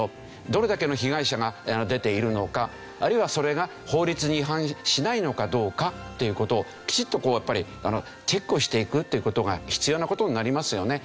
どれだけの被害者が出ているのかあるいはそれが法律に違反しないのかどうかという事をきちっとこうやっぱりチェックをしていくという事が必要な事になりますよね。